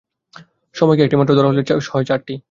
সময়কে একটি মাত্রা ধরা হলে, হয় চারটি।